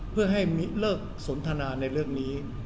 เพื่อให้มิเลิกสนทนาในเรื่องนี้